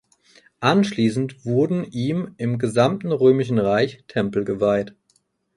Anschließend wurden ihm im gesamten Römischen Reich Tempel geweiht.